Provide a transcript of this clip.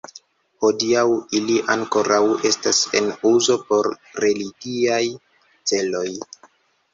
Hodiaŭ ili ankoraŭ estas en uzo por religiaj celoj.